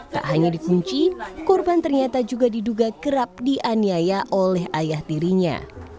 tak hanya dikunci korban ternyata juga diduga kerap dianiaya oleh ayah tirinya